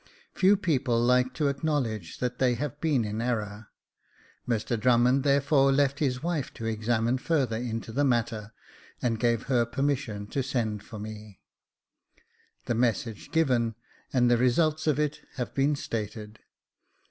Few people like to acknowledge that they have been in error. Mr Drum mond therefore left his wife to examine further into the matter, and gave her permission to send for me. The message given, and the results of it have been stated.